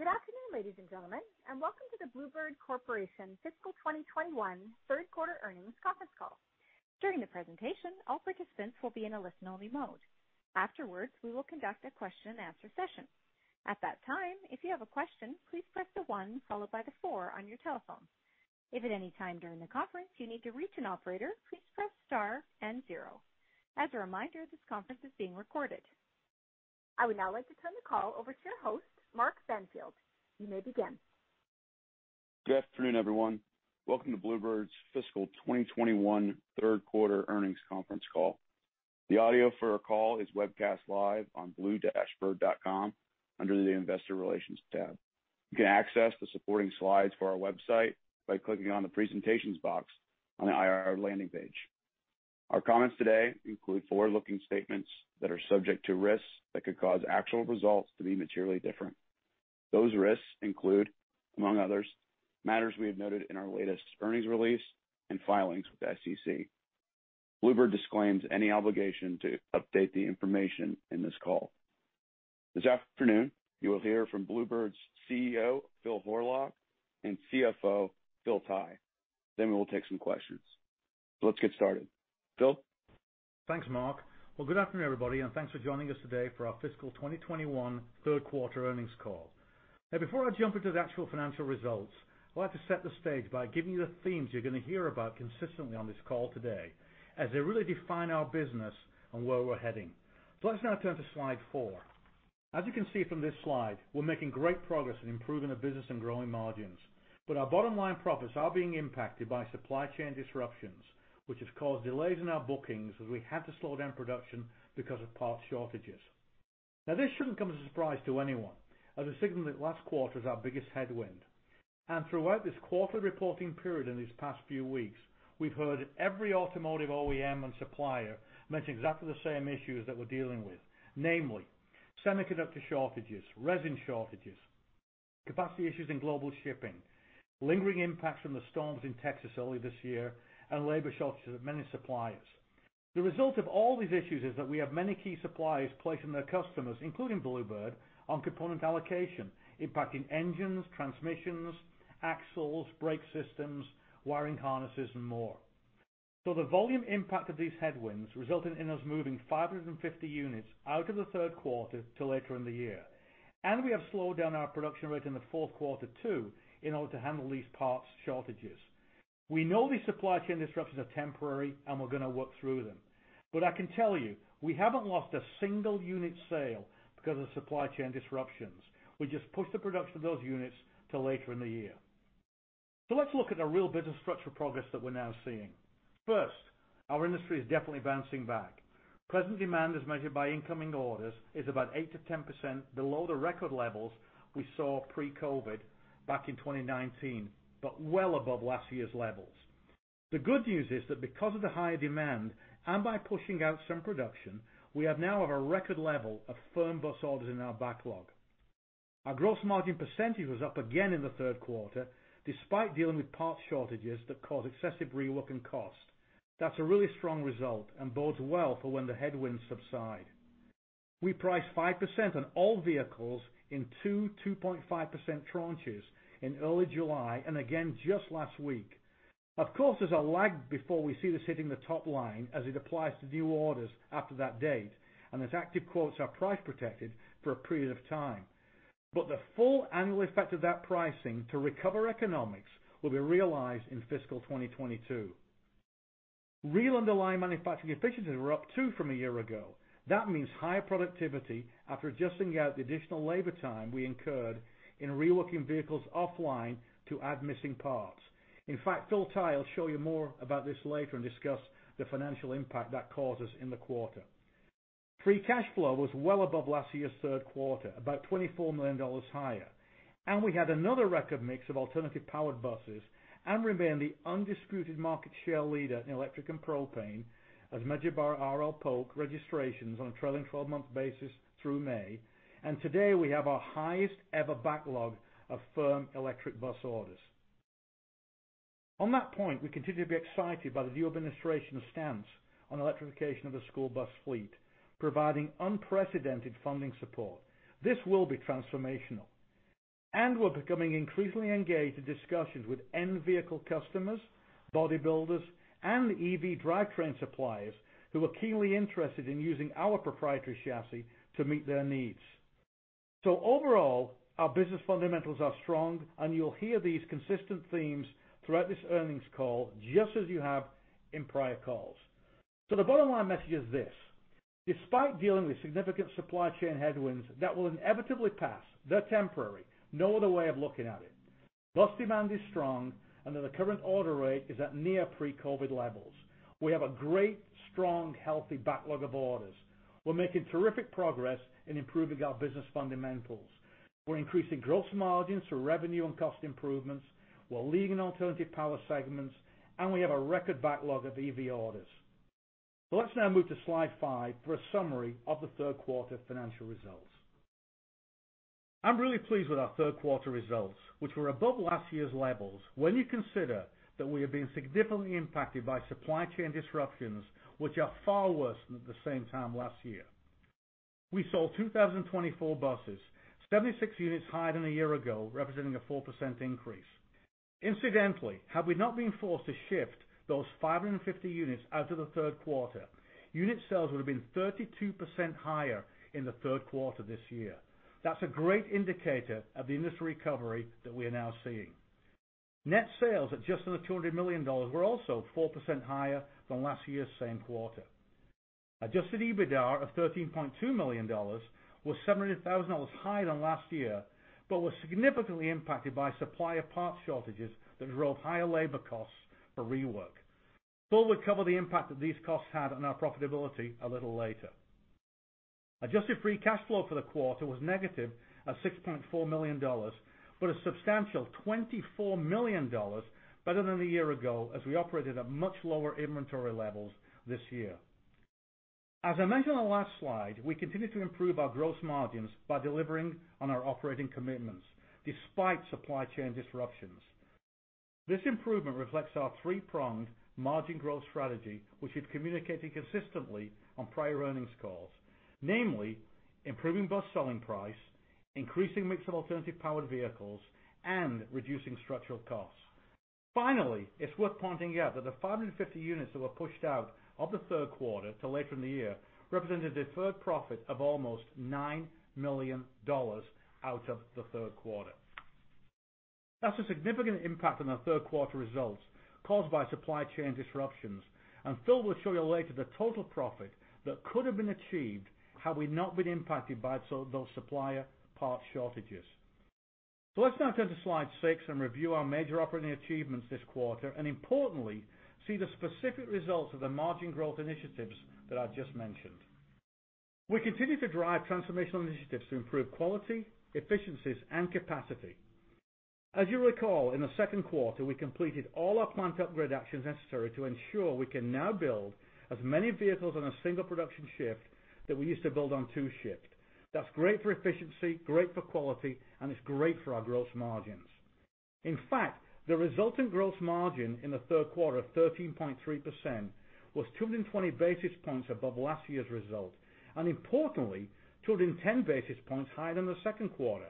Good afternoon, ladies and gentlemen, and welcome to the Blue Bird Corporation Fiscal 2021 Third Quarter Earnings Conference Call. During the presentation, all participants will be in a listen-only mode. Afterwards, we will conduct a question-and-answer session. At that time, if you have a question, please press the one followed by the four on your telephone. If at any time during the conference you need to reach an operator, please press star and zero. As a reminder, this conference is being recorded. I would now like to turn the call over to your host, Mark Benfield, you may begin. Good afternoon, everyone. Welcome to Blue Bird's fiscal 2021 third quarter earnings conference call. The audio for our call is webcast live on blue-bird.com under the Investor Relations tab. You can access the supporting slides for our website by clicking on the Presentations box on the IR landing page. Our comments today include forward-looking statements that are subject to risks that could cause actual results to be materially different. Those risks include, among others, matters we have noted in our latest earnings release and filings with the SEC. Blue Bird disclaims any obligation to update the information in this call. This afternoon, you will hear from Blue Bird's CEO, Phil Horlock, and CFO, Phil Tighe. We will take some questions. Let's get started, Phil? Thanks, Mark. Well, good afternoon, everybody, and thanks for joining us today for our fiscal 2021 third quarter earnings call. Before I jump into the actual financial results, I'd like to set the stage by giving you the themes you're going to hear about consistently on this call today, as they really define our business and where we're heading. Let's now turn to slide four. As you can see from this slide, we're making great progress in improving the business and growing margins. Our bottom line profits are being impacted by supply chain disruptions, which has caused delays in our bookings as we had to slow down production because of parts shortages. This shouldn't come as a surprise to anyone, as I signaled that last quarter as our biggest headwind. Throughout this quarterly reporting period in these past few weeks, we've heard every automotive OEM and supplier mention exactly the same issues that we're dealing with, namely, semiconductor shortages, resin shortages, capacity issues in global shipping, lingering impacts from the storms in Texas early this year, and labor shortages at many suppliers. The result of all these issues is that we have many key suppliers placing their customers, including Blue Bird, on component allocation, impacting engines, transmissions, axles, brake systems, wiring harnesses, and more. The volume impact of these headwinds resulted in us moving 550 units out of the third quarter to later in the year. We have slowed down our production rate in the fourth quarter, too, in order to handle these parts shortages. We know these supply chain disruptions are temporary, and we're going to work through them. I can tell you, we haven't lost a single unit sale because of supply chain disruptions. We just pushed the production of those units to later in the year. Let's look at the real business structural progress that we're now seeing. First, our industry is definitely bouncing back. Present demand, as measured by incoming orders, is about 8%-10% below the record levels we saw pre-COVID back in 2019, but well above last year's levels. The good news is that because of the higher demand and by pushing out some production, we are now at a record level of firm bus orders in our backlog. Our gross margin percentage was up again in the third quarter, despite dealing with parts shortages that caused excessive reworking costs. That's a really strong result and bodes well for when the headwinds subside. We priced 5% on all vehicles in two 2.5% tranches in early July and again just last week. Of course, there's a lag before we see this hitting the top line as it applies to new orders after that date, and as active quotes are price protected for a period of time. The full annual effect of that pricing to recover economics will be realized in fiscal 2022. Real underlying manufacturing efficiencies were up, too, from a year ago. That means higher productivity after adjusting out the additional labor time we incurred in reworking vehicles offline to add missing parts. In fact, Phil Tighe will show you more about this later and discuss the financial impact that caused us in the quarter. Free cash flow was well above last year's third quarter, about $24 million higher. We had another record mix of alternative-powered buses and remain the undisputed market share leader in electric and propane, as measured by our R.L. Polk & Co. registrations on a trailing 12-month basis through May. Today, we have our highest ever backlog of firm electric bus orders. On that point, we continue to be excited by the new administration's stance on electrification of the school bus fleet, providing unprecedented funding support. This will be transformational. We're becoming increasingly engaged in discussions with end vehicle customers, body builders, and EV drivetrain suppliers who are keenly interested in using our proprietary chassis to meet their needs. Overall, our business fundamentals are strong, and you'll hear these consistent themes throughout this earnings call, just as you have in prior calls. The bottom-line message is this. Despite dealing with significant supply chain headwinds that will inevitably pass, they're temporary, no other way of looking at it. Bus demand is strong and that the current order rate is at near pre-COVID levels. We have a great, strong, healthy backlog of orders. We're making terrific progress in improving our business fundamentals. We're increasing gross margins through revenue and cost improvements. We're leading alternative power segments, and we have a record backlog of EV orders. Let's now move to slide five for a summary of the third quarter financial results. I'm really pleased with our third quarter results, which were above last year's levels when you consider that we have been significantly impacted by supply chain disruptions, which are far worse than at the same time last year. We sold 2,024 buses, 76 units higher than a year ago, representing a 4% increase. Incidentally, had we not been forced to shift those 550 units out of the third quarter, unit sales would have been 32% higher in the third quarter this year. That's a great indicator of the industry recovery that we are now seeing. Net sales at just under $200 million were also 4% higher than last year's same quarter. Adjusted EBITDA of $13.2 million was $700,000 higher than last year, but was significantly impacted by supplier parts shortages that drove higher labor costs for rework. Phil will cover the impact that these costs had on our profitability a little later. Adjusted free cash flow for the quarter was negative at $6.4 million, but a substantial $24 million better than a year ago as we operated at much lower inventory levels this year. As I mentioned on the last slide, we continue to improve our gross margins by delivering on our operating commitments despite supply chain disruptions. This improvement reflects our three-pronged margin growth strategy, which we've communicated consistently on prior earnings calls, namely improving bus selling price, increasing mix of alternative powered vehicles, and reducing structural costs. Finally, it's worth pointing out that the 550 units that were pushed out of the third quarter to later in the year represented deferred profit of almost $9 million out of the third quarter. That's a significant impact on our third quarter results caused by supply chain disruptions, and Phil will show you later the total profit that could have been achieved had we not been impacted by those supplier parts shortages. Let's now turn to slide six and review our major operating achievements this quarter, and importantly, see the specific results of the margin growth initiatives that I've just mentioned. We continue to drive transformational initiatives to improve quality, efficiencies, and capacity. As you recall, in the second quarter, we completed all our plant upgrade actions necessary to ensure we can now build as many vehicles on a single production shift that we used to build on two shifts. That's great for efficiency, great for quality, and it's great for our gross margins. The resultant gross margin in the third quarter of 13.3% was 220 basis points above last year's result, and importantly, 210 basis points higher than the second quarter.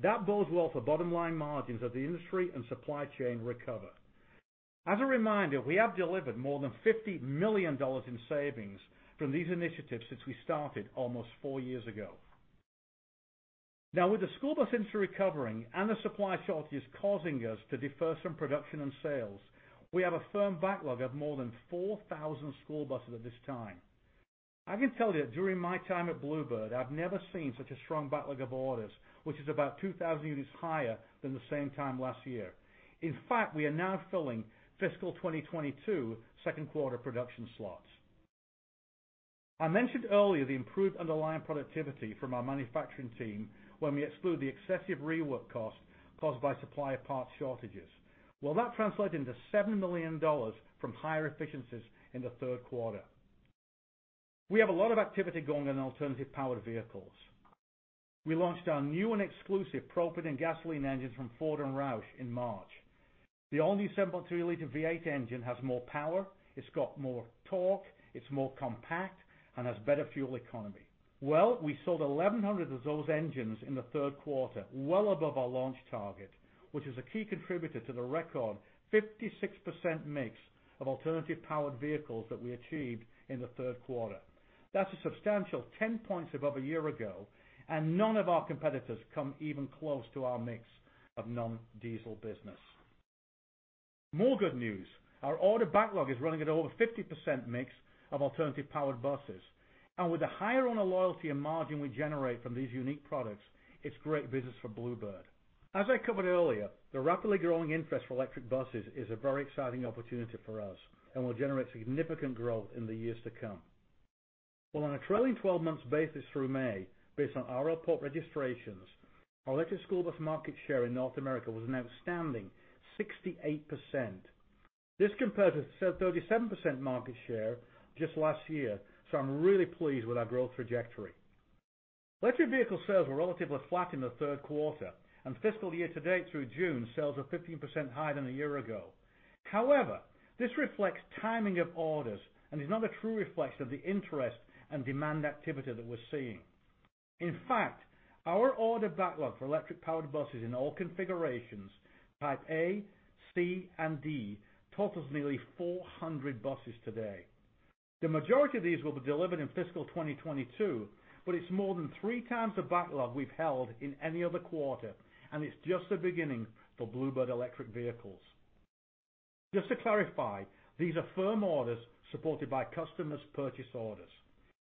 That bodes well for bottom-line margins as the industry and supply chain recover. As a reminder, we have delivered more than $50 million in savings from these initiatives since we started almost four years ago. With the school bus industry recovering and the supply shortages causing us to defer some production and sales, we have a firm backlog of more than 4,000 school buses at this time. I can tell you that during my time at Blue Bird, I've never seen such a strong backlog of orders, which is about 2,000 units higher than the same time last year. In fact, we are now filling fiscal 2022 second quarter production slots. I mentioned earlier the improved underlying productivity from our manufacturing team when we exclude the excessive rework costs caused by supplier parts shortages. Well, that translated into $7 million from higher efficiencies in the third quarter. We have a lot of activity going on in alternative powered vehicles. We launched our new and exclusive propane and gasoline engines from Ford and Roush in March. The all-new 7.3 L V8 engine has more power, it's got more torque, it's more compact, and has better fuel economy. Well, we sold 1,100 of those engines in the third quarter, well above our launch target, which is a key contributor to the record 56% mix of alternative powered vehicles that we achieved in the third quarter. That's a substantial 10 points above a year ago, and none of our competitors come even close to our mix of non-diesel business. More good news, our order backlog is running at over 50% mix of alternative powered buses. With the higher owner loyalty, and margin we generate from these unique products, it's great business for Blue Bird. As I covered earlier, the rapidly growing interest for electric buses is a very exciting opportunity for us and will generate significant growth in the years to come. On a trailing 12 months basis through May, based on our report registrations, our electric school bus market share in North America was an outstanding 68%. This compared to 37% market share just last year. I'm really pleased with our growth trajectory. Electric vehicle sales were relatively flat in the third quarter, and fiscal year to date through June, sales are 15% higher than a year ago. This reflects timing of orders and is not a true reflection of the interest and demand activity that we're seeing. Our order backlog for electric buses in all configurations, Type A, C, and D, totals nearly 400 buses today. The majority of these will be delivered in fiscal 2022, but it's more than three times the backlog we've held in any other quarter, and it's just the beginning for Blue Bird electric vehicles. Just to clarify, these are firm orders supported by customers' purchase orders.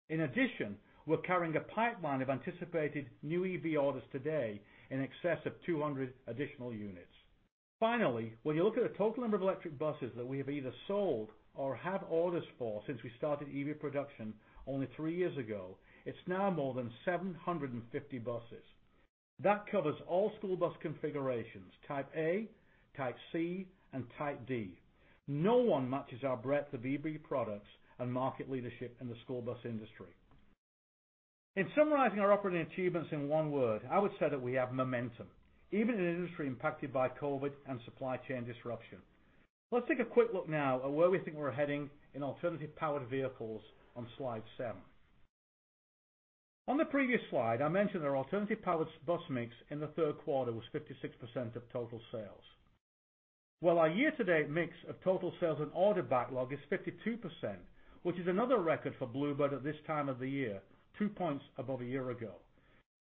In addition, we're carrying a pipeline of anticipated new EV orders today in excess of 200 additional units. Finally, when you look at the total number of electric buses that we have either sold or have orders for since we started EV production only three years ago, it's now more than 750 buses. That covers all school bus configurations, Type A, Type C, and Type D. No one matches our breadth of EV products and market leadership in the school bus industry. In summarizing our operating achievements in one word, I would say that we have momentum, even in an industry impacted by COVID and supply chain disruption. Let's take a quick look now at where we think we're heading in alternative-powered vehicles on slide seven. On the previous slide, I mentioned that our alternative-powered bus mix in the third quarter was 56% of total sales. Well, our year-to-date mix of total sales and order backlog is 52%, which is another record for Blue Bird at this time of the year, 2 points above a year ago.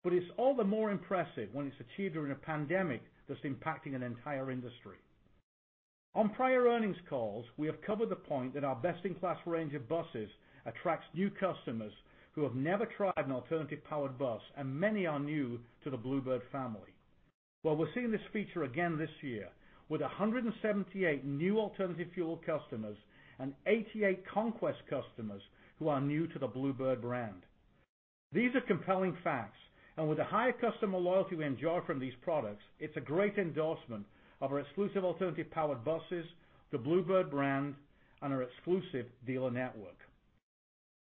It's all the more impressive when it's achieved during a pandemic that's impacting an entire industry. On prior earnings calls, we have covered the point that our best-in-class range of buses attracts new customers who have never tried an alternative-powered bus, and many are new to the Blue Bird family. We're seeing this feature again this year with 178 new alternative fuel customers and 88 conquest customers who are new to the Blue Bird brand. These are compelling facts, and with the high customer loyalty we enjoy from these products, it's a great endorsement of our exclusive alternative-powered buses, the Blue Bird brand, and our exclusive dealer network.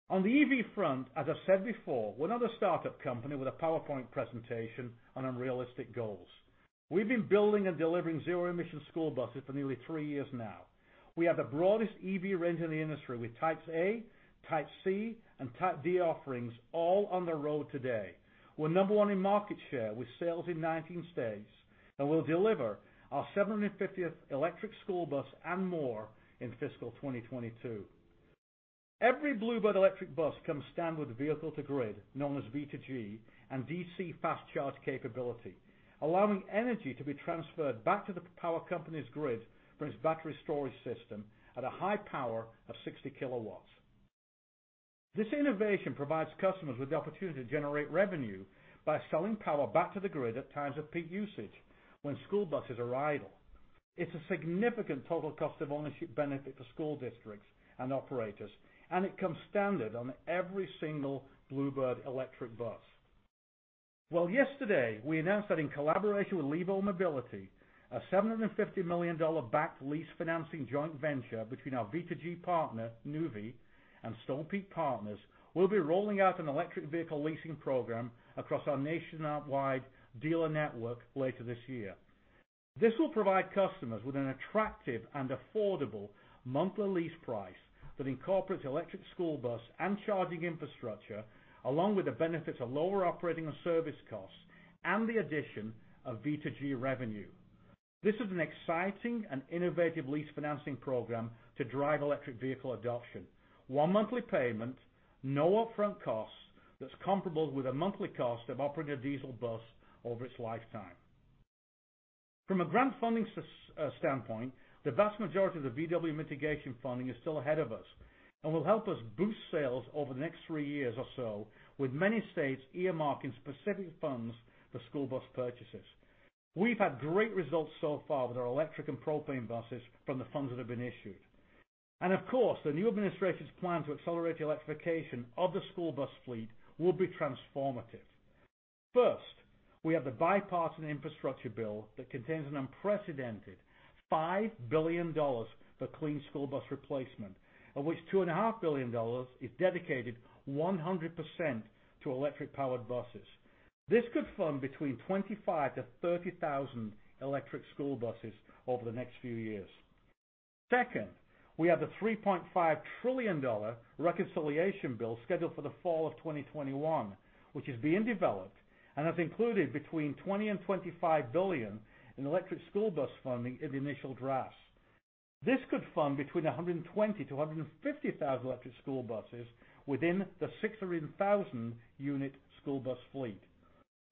On the EV front, as I've said before, we're not a startup company with a PowerPoint presentation and unrealistic goals. We've been building and delivering zero-emission school buses for nearly three years now. We have the broadest EV range in the industry with Type A, Type C, and Type D offerings all on the road today. We're number one in market share with sales in 19 states, and we'll deliver our 750th electric school bus and more in fiscal 2022. Every Blue Bird electric bus comes standard with vehicle-to-grid, known as V2G, and DC fast charge capability, allowing energy to be transferred back to the power company's grid from its battery storage system at a high power of 60 kW. This innovation provides customers with the opportunity to generate revenue by selling power back to the grid at times of peak usage, when school buses are idle. It's a significant total cost of ownership benefit for school districts and operators, and it comes standard on every single Blue Bird electric bus. Well, yesterday, we announced that in collaboration with Levo Mobility, a $750 million-backed lease financing joint venture between our V2G partner, Nuvve, and Stonepeak Partners will be rolling out an electric vehicle leasing program across our nationwide dealer network later this year. This will provide customers with an attractive and affordable monthly lease price that incorporates electric school bus and charging infrastructure, along with the benefits of lower operating and service costs and the addition of V2G revenue. This is an exciting and innovative lease financing program to drive electric vehicle adoption. One monthly payment, no upfront costs, that's comparable with the monthly cost of operating a diesel bus over its lifetime. From a grant funding standpoint, the vast majority of the VW mitigation funding is still ahead of us and will help us boost sales over the next three years or so, with many states earmarking specific funds for school bus purchases. We've had great results so far with our electric and propane buses from the funds that have been issued. Of course, the new administration's plan to accelerate the electrification of the school bus fleet will be transformative. First, we have the Bipartisan Infrastructure Bill that contains an unprecedented $5 billion for clean school bus replacement, of which $2.5 billion is dedicated 100% to electric-powered buses. This could fund between 25,000-30,000 electric school buses over the next few years. Second, we have the $3.5 trillion Reconciliation Bill scheduled for the fall of 2021, which is being developed and has included between $20 and $25 billion in electric school bus funding in the initial drafts. This could fund between 120,000-150,000 electric school buses within the 600,000-unit school bus fleet.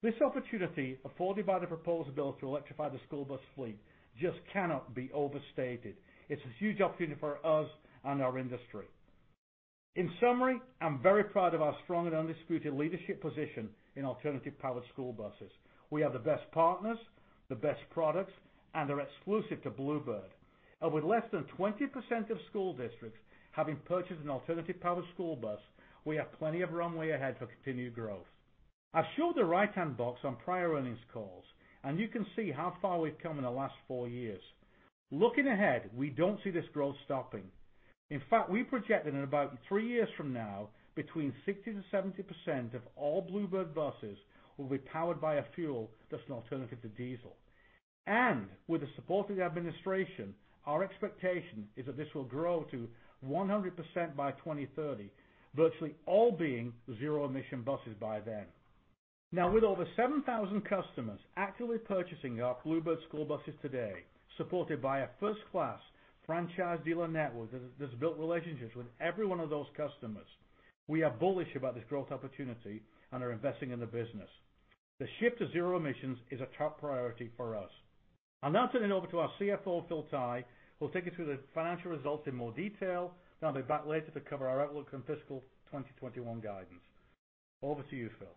This opportunity afforded by the proposed bill to electrify the school bus fleet just cannot be overstated. It's a huge opportunity for us and our industry. In summary, I'm very proud of our strong and undisputed leadership position in alternative-powered school buses. We have the best partners, the best products, and they're exclusive to Blue Bird. With less than 20% of school districts having purchased an alternative-powered school bus, we have plenty of runway ahead for continued growth. I've showed the right-hand box on prior earnings calls, and you can see how far we've come in the last four years. Looking ahead, we don't see this growth stopping. In fact, we project that in about three years from now, between 60%-70% of all Blue Bird buses will be powered by a fuel that's an alternative to diesel. With the support of the administration, our expectation is that this will grow to 100% by 2030, virtually all being zero-emission buses by then. With over 7,000 customers actively purchasing our Blue Bird school buses today, supported by a first-class franchise dealer network that's built relationships with every one of those customers, we are bullish about this growth opportunity and are investing in the business. The shift to zero emissions is a top priority for us. I'll now turn it over to our CFO, Phil Tighe, who will take you through the financial results in more detail, then I'll be back later to cover our outlook on fiscal 2021 guidance. Over to you, Phil.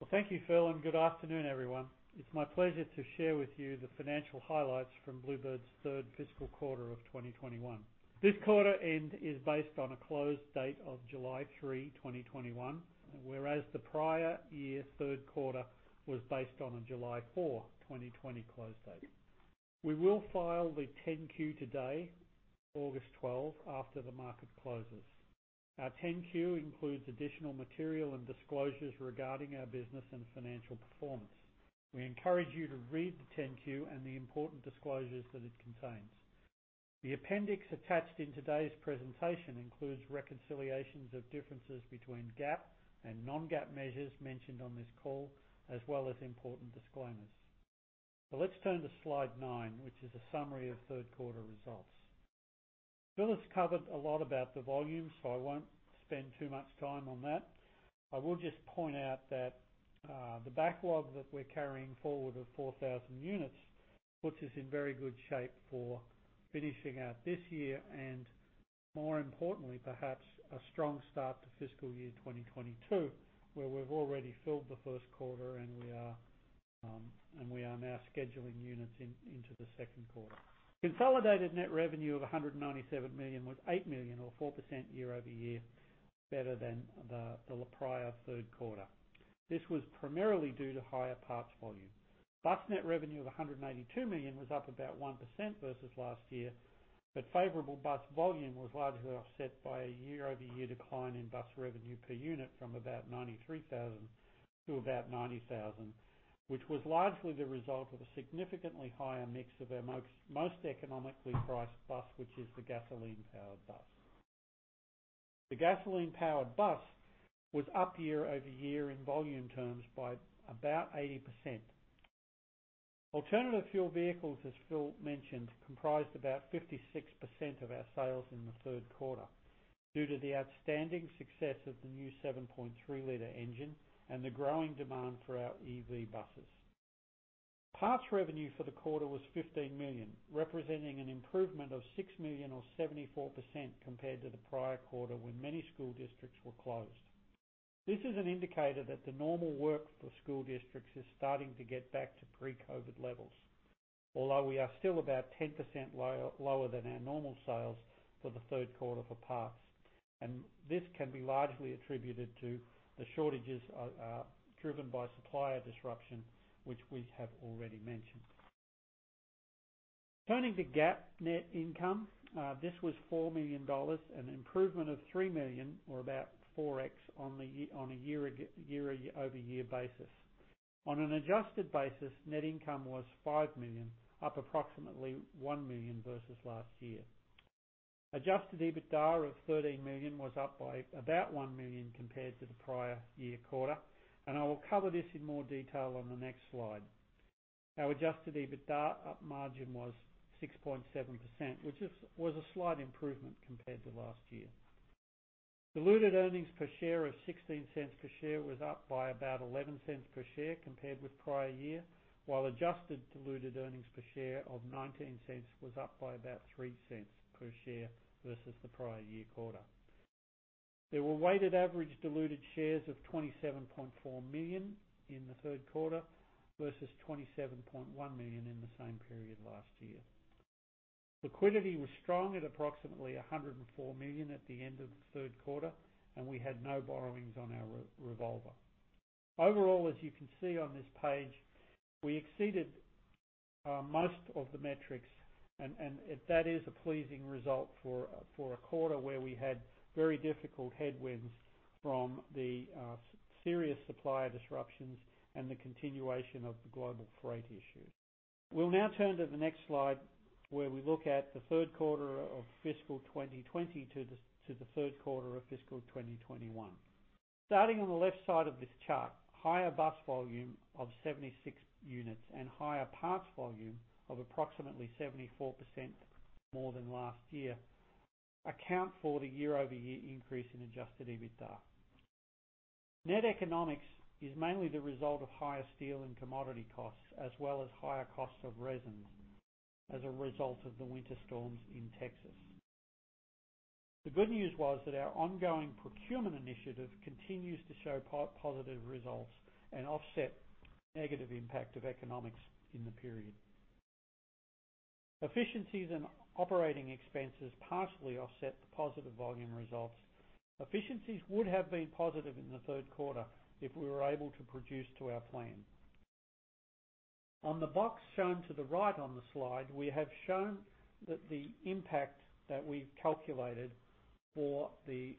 Well, thank you, Phil. Good afternoon, everyone. It's my pleasure to share with you the financial highlights from Blue Bird's third fiscal quarter of 2021. This quarter end is based on a close date of July 3, 2021, whereas the prior year third quarter was based on a July 4, 2020, close date. We will file the 10-Q today August 12, after the market closes. Our 10-Q includes additional material and disclosures regarding our business and financial performance. We encourage you to read the 10-Q and the important disclosures that it contains. The appendix attached in today's presentation includes reconciliations of differences between GAAP and non-GAAP measures mentioned on this call, as well as important disclaimers. Let's turn to slide nine, which is a summary of third quarter results. Phil has covered a lot about the volume. I won't spend too much time on that. I will just point out that the backlog that we're carrying forward of 4,000 units puts us in very good shape for finishing out this year, and more importantly, perhaps, a strong start to fiscal year 2022, where we've already filled the first quarter and we are now scheduling units into the second quarter. Consolidated net revenue of $197 million was $8 million or 4% year-over-year better than the prior third quarter. This was primarily due to higher parts volume. Bus net revenue of $182 million was up about 1% versus last year. Favorable bus volume was largely offset by a year-over-year decline in bus revenue per unit from about $93,000 to about $90,000, which was largely the result of a significantly higher mix of our most economically priced bus, which is the gasoline-powered bus. The gasoline-powered bus was up year-over-year in volume terms by about 80%. Alternative fuel vehicles, as Phil mentioned, comprised about 56% of our sales in the third quarter due to the outstanding success of the new 7.3 L engine and the growing demand for our EV buses. Parts revenue for the quarter was $15 million, representing an improvement of $6 million or 74% compared to the prior quarter, when many school districts were closed. This is an indicator that the normal work for school districts is starting to get back to pre-COVID levels. Although we are still about 10% lower than our normal sales for the third quarter for parts, and this can be largely attributed to the shortages driven by supplier disruption, which we have already mentioned. Turning to GAAP net income, this was $4 million, an improvement of $3 million or about 4x on a year-over-year basis. On an adjusted basis, net income was $5 million, up approximately $1 million versus last year. Adjusted EBITDA of $13 million was up by about $1 million compared to the prior-year quarter, I will cover this in more detail on the next slide. Our adjusted EBITDA margin was 6.7%, which was a slight improvement compared to last year. Diluted earnings per share of $0.16 per share was up by about $0.11 per share compared with prior year, while adjusted diluted earnings per share of $0.19 was up by about $0.03 per share versus the prior-year quarter. There were weighted average diluted shares of 27.4 million in the third quarter versus 27.1 million in the same period last year. Liquidity was strong at approximately $104 million at the end of the third quarter, we had no borrowings on our revolver. Overall, as you can see on this page, we exceeded most of the metrics and that is a pleasing result for a quarter where we had very difficult headwinds from the serious supplier disruptions and the continuation of the global freight issue. We'll now turn to the next slide where we look at the third quarter of fiscal 2020 to the third quarter of fiscal 2021. Starting on the left side of this chart, higher bus volume of 76 units and higher parts volume of approximately 74% more than last year account for the year-over-year increase in adjusted EBITDA. Net economics is mainly the result of higher steel and commodity costs, as well as higher costs of resins as a result of the winter storms in Texas. The good news was that our ongoing procurement initiative continues to show positive results and offset negative impact of economics in the period. Efficiencies in operating expenses partially offset the positive volume results. Efficiencies would have been positive in the third quarter if we were able to produce to our plan. On the box shown to the right on the slide, we have shown that the impact that we've calculated for the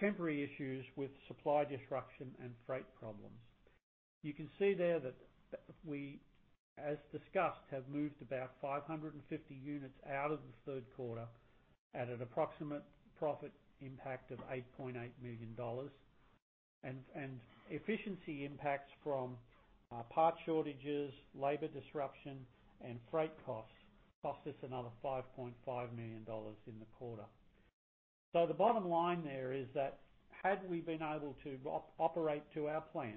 temporary issues with supply disruption and freight problems. You can see there that we, as discussed, have moved about 550 units out of the third quarter at an approximate profit impact of $8.8 million. Efficiency impacts from parts shortages, labor disruption, and freight costs cost us another $5.5 million in the quarter. The bottom line there is that had we been able to operate to our plan,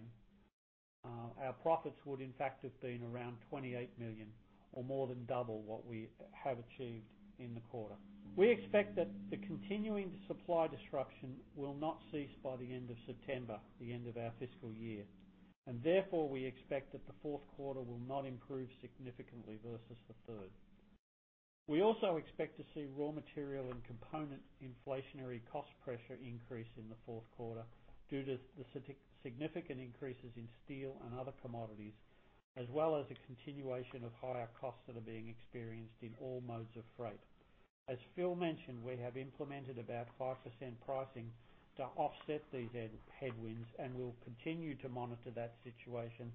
our profits would in fact have been around $28 million or more than double what we have achieved in the quarter. We expect that the continuing supply disruption will not cease by the end of September, the end of our fiscal year, and therefore, we expect that the fourth quarter will not improve significantly versus the third. We also expect to see raw material and component inflationary cost pressure increase in the fourth quarter due to the significant increases in steel and other commodities as well as a continuation of higher costs that are being experienced in all modes of freight. As Phil mentioned, we have implemented about 5% pricing to offset these headwinds, and we will continue to monitor that situation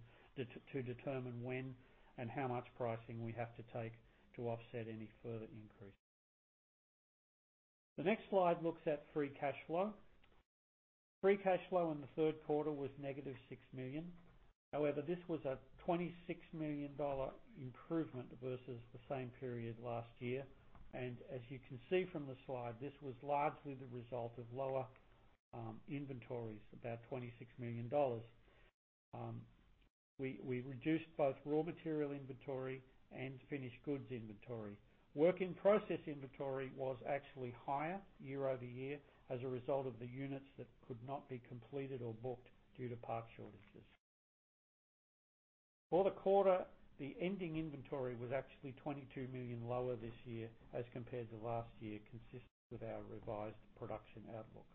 to determine when and how much pricing we have to take to offset any further increase. The next slide looks at free cash flow. Free cash flow in the third quarter was -$6 million. However, this was a $26 million improvement versus the same period last year. As you can see from the slide, this was largely the result of lower inventories, about $26 million. We reduced both raw material inventory and finished goods inventory. Work-in-process inventory was actually higher year-over-year as a result of the units that could not be completed or booked due to parts shortages. For the quarter, the ending inventory was actually $22 million lower this year as compared to last year, consistent with our revised production outlook.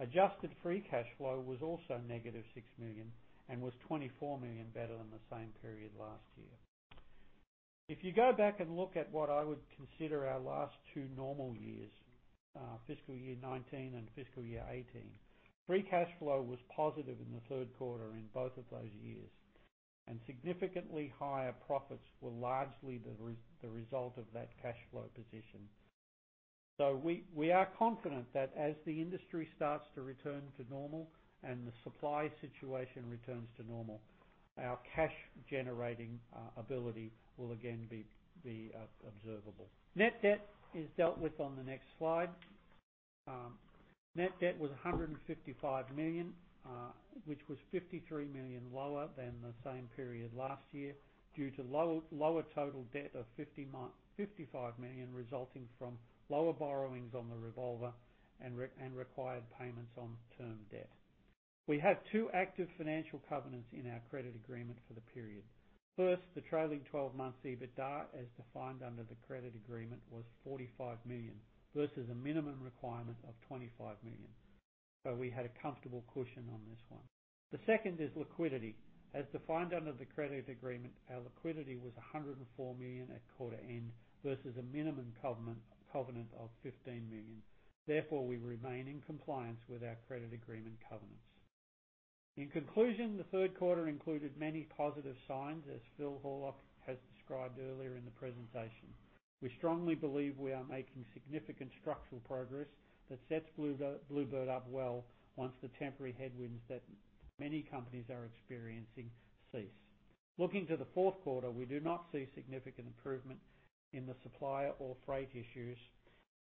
Adjusted free cash flow was also -$6 million and was $24 million better than the same period last year. If you go back and look at what I would consider our last two normal years, fiscal year 2019 and fiscal year 2018, free cash flow was positive in the third quarter in both of those years, and significantly higher profits were largely the result of that cash flow position. We are confident that as the industry starts to return to normal and the supply situation returns to normal; our cash-generating ability will again be observable. Net debt is dealt with on the next slide. Net debt was $155 million, which was $53 million lower than the same period last year, due to lower total debt of $55 million, resulting from lower borrowings on the revolver and required payments on term debt. We have two active financial covenants in our credit agreement for the period. First, the trailing 12 months EBITDA, as defined under the credit agreement, was $45 million versus a minimum requirement of $25 million. We had a comfortable cushion on this one. The second is liquidity. As defined under the credit agreement, our liquidity was $104 million at quarter end versus a minimum covenant of $15 million. Therefore, we remain in compliance with our credit agreement covenants. In conclusion, the third quarter included many positive signs, as Phil Horlock has described earlier in the presentation. We strongly believe we are making significant structural progress that sets Blue Bird up well once the temporary headwinds that many companies are experiencing cease. Looking to the fourth quarter, we do not see significant improvement in the supplier or freight issues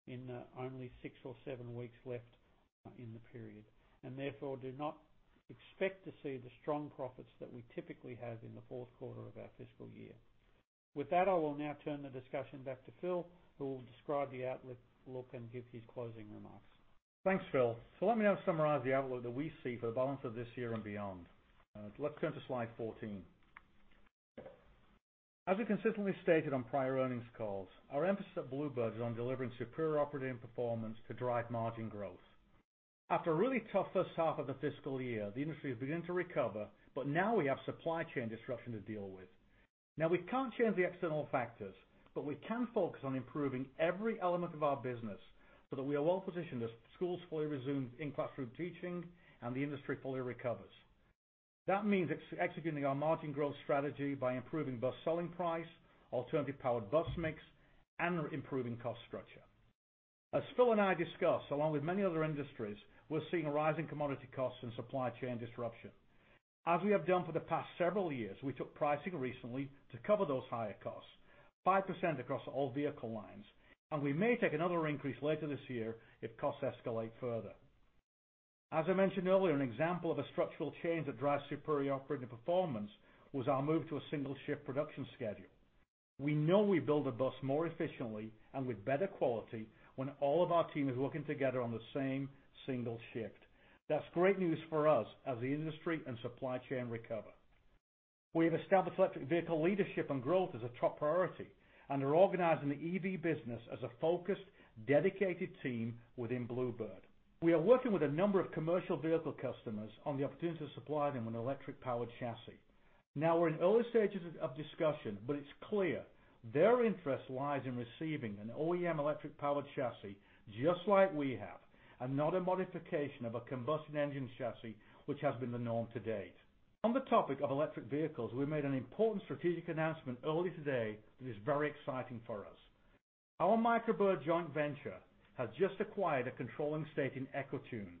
in the only six or seven weeks left in the period and therefore do not expect to see the strong profits that we typically have in the fourth quarter of our fiscal year. With that, I will now turn the discussion back to Phil, who will describe the outlook and give his closing remarks. Thanks, Phil. Let me now summarize the outlook that we see for the balance of this year and beyond. Let's go to slide 14. As we consistently stated on prior earnings calls, our emphasis at Blue Bird is on delivering superior operating performance to drive margin growth. After a really tough first half of the fiscal year, the industry is beginning to recover, but now we have supply chain disruption to deal with. We can't change the external factors, but we can focus on improving every element of our business so that we are well positioned as schools fully resume in-classroom teaching and the industry fully recovers. That means executing our margin growth strategy by improving bus selling price, alternative powered bus mix, and improving cost structure. As Phil and I discussed, along with many other industries, we're seeing a rise in commodity costs and supply chain disruption. As we have done for the past several years, we took pricing recently to cover those higher costs, 5% across all vehicle lines. We may take another increase later this year if costs escalate further. As I mentioned earlier, an example of a structural change that drives superior operating performance was our move to a single shift production schedule. We know we build a bus more efficiently and with better quality when all of our team is working together on the same single shift. That's great news for us as the industry and supply chain recover. We have established electric vehicle leadership and growth as a top priority and are organizing the EV business as a focused, dedicated team within Blue Bird. We are working with a number of commercial vehicle customers on the opportunity to supply them an electric powered chassis. We're in early stages of discussion, but it's clear their interest lies in receiving an OEM electric powered chassis just like we have, and not a modification of a combustion engine chassis, which has been the norm to date. On the topic of electric vehicles, we made an important strategic announcement earlier today that is very exciting for us. Our Micro Bird joint venture has just acquired a controlling stake in Ecotuned,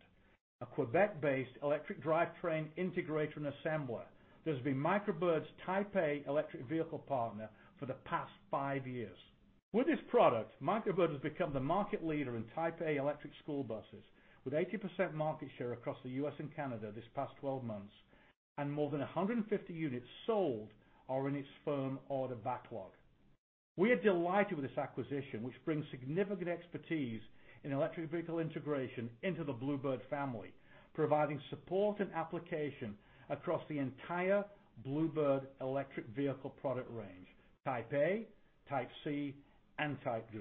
a Quebec-based electric drivetrain integrator and assembler that has been Micro Bird's Type A electric vehicle partner for the past five years. With this product, Micro Bird has become the market leader in Type A electric school buses with 80% market share across the U.S. and Canada this past 12 months, and more than 150 units sold are in its firm order backlog. We are delighted with this acquisition, which brings significant expertise in electric vehicle integration into the Blue Bird family, providing support and application across the entire Blue Bird electric vehicle product range, Type A, Type C, and Type D.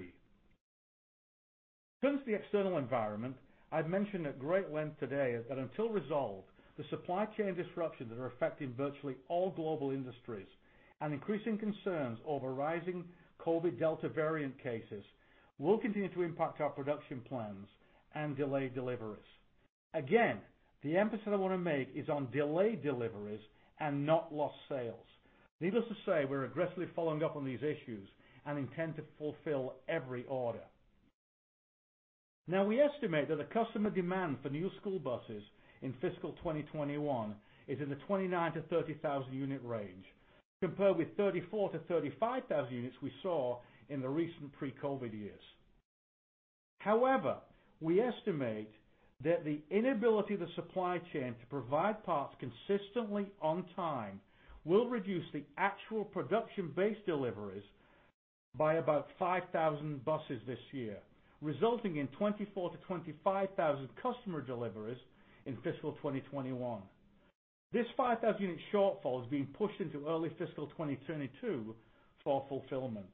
The external environment, I've mentioned at great length today that until resolved, the supply chain disruptions that are affecting virtually all global industries and increasing concerns over rising COVID Delta variant cases will continue to impact our production plans and delay deliveries. The emphasis I want to make is on delayed deliveries and not lost sales. Needless to say, we're aggressively following up on these issues and intend to fulfill every order. We estimate that the customer demand for new school buses in fiscal 2021 is in the 29,000-30,000 unit range, compared with 34,000-35,000 units we saw in the recent pre-COVID years. However, we estimate that the inability of the supply chain to provide parts consistently on time will reduce the actual production-based deliveries by about 5,000 buses this year, resulting in 24,000-25,000 customer deliveries in fiscal 2021. This 5,000 unit shortfall is being pushed into early fiscal 2022 for fulfillment.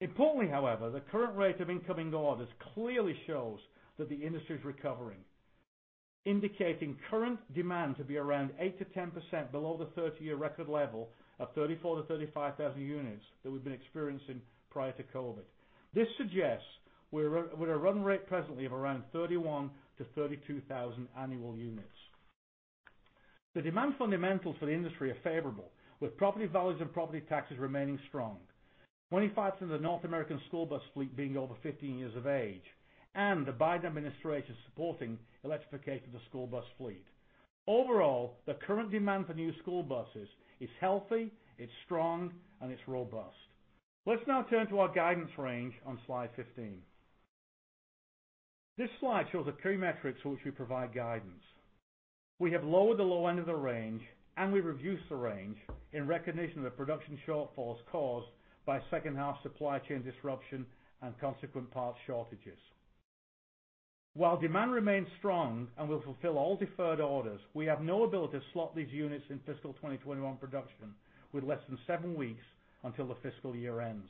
Importantly, however, the current rate of incoming orders clearly shows that the industry is recovering, indicating current demand to be around 8%-10% below the 30-year record level of 34,000-35,000 units that we've been experiencing prior to COVID. This suggests we're at a run rate presently of around 31,000-32,000 annual units. The demand fundamentals for the industry are favorable, with property values and property taxes remaining strong. 25% of the North American school bus fleet being over 15 years of age, and the Biden administration supporting electrification of the school bus fleet. Overall, the current demand for new school buses is healthy, it's strong, and it's robust. Let's now turn to our guidance range on slide 15. This slide shows the key metrics for which we provide guidance. We have lowered the low end of the range. We reduced the range in recognition of the production shortfalls caused by second half supply chain disruption and consequent parts shortages. While demand remains strong and we'll fulfill all deferred orders, we have no ability to slot these units in fiscal 2021 production with less than seven weeks until the fiscal year ends.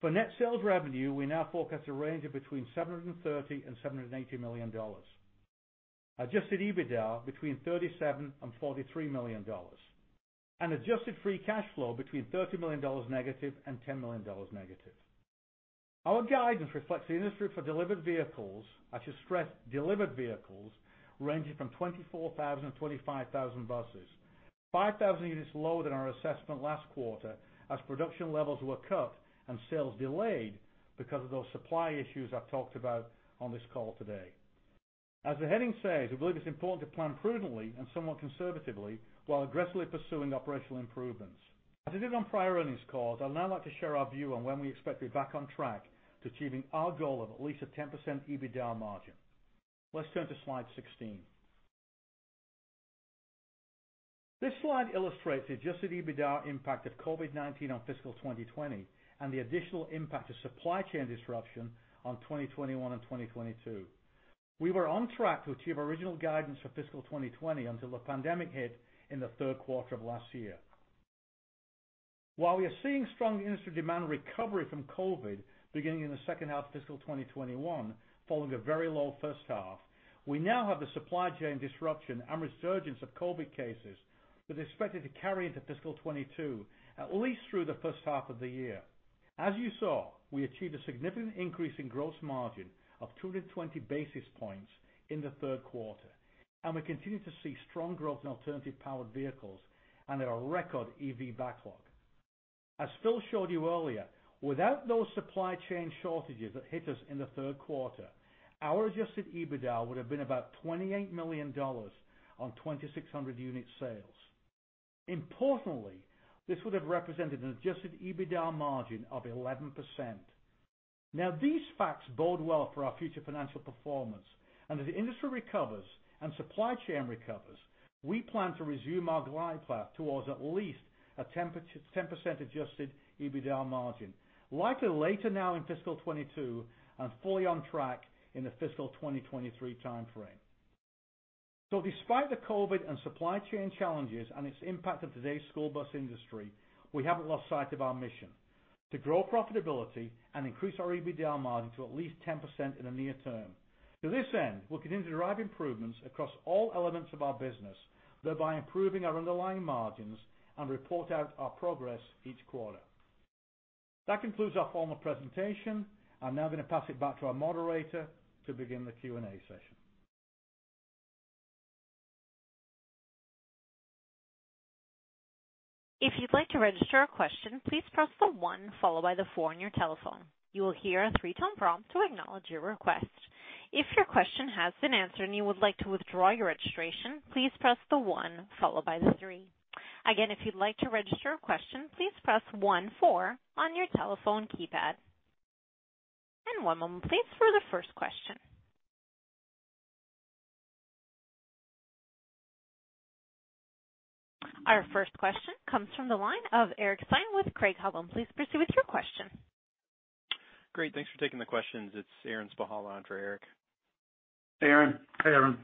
For net sales revenue, we now forecast a range of between $730 million and $780 million. Adjusted EBITDA between $37 million and $43 million. Adjusted free cash flow between $30 million negative and $10 million negative. Our guidance reflects the industry for delivered vehicles, I should stress delivered vehicles, ranging from 24,000-25,000 buses. 5,000 units lower than our assessment last quarter as production levels were cut and sales delayed because of those supply issues I've talked about on this call today. As the heading says, we believe it's important to plan prudently and somewhat conservatively while aggressively pursuing operational improvements. As I did on prior earnings calls, I'd now like to share our view on when we expect to be back on track to achieving our goal of at least a 10% EBITDA margin. Let's turn to slide 16. This slide illustrates the adjusted EBITDA impact of COVID-19 on fiscal 2020 and the additional impact of supply chain disruption on 2021 and 2022. We were on track to achieve original guidance for fiscal 2020 until the pandemic hit in the third quarter of last year. While we are seeing strong industry demand recovery from COVID beginning in the second half of fiscal 2021, following a very low first half, we now have the supply chain disruption and resurgence of COVID cases that are expected to carry into fiscal 2022, at least through the first half of the year. As you saw, we achieved a significant increase in gross margin of 220 basis points in the third quarter, and we continue to see strong growth in alternative powered vehicles and our record EV backlog. As Phil showed you earlier, without those supply chain shortages that hit us in the third quarter, our adjusted EBITDA would have been about $28 million on 2,600 unit sales. This would have represented an adjusted EBITDA margin of 11%. These facts bode well for our future financial performance. As the industry recovers and supply chain recovers, we plan to resume our glide path towards at least a 10% adjusted EBITDA margin, likely later now in fiscal 2022 and fully on track in the fiscal 2023 timeframe. Despite the COVID and supply chain challenges and its impact on today's school bus industry, we haven't lost sight of our mission: to grow profitability and increase our EBITDA margin to at least 10% in the near term. To this end, we'll continue to derive improvements across all elements of our business, thereby improving our underlying margins and report out our progress each quarter. That concludes our formal presentation. I'm now going to pass it back to our moderator to begin the Q&A session. If you'd like to register a question, please press the one followed by the four on your telephone. You will hear a three-tone prompt to acknowledge your request. If your question has been answered and you would like to withdraw your registration, please press the one followed by the three. Again, if you'd like to register a question, please press one, four on your telephone keypad. One moment, please, for the first question. Our first question comes from the line of Aaron Spychalla with Craig-Hallum. Please proceed with your question. Great, thanks for taking the questions. It's Aaron Spychalla on for Eric. Hey, Aaron. Hi, Aaron.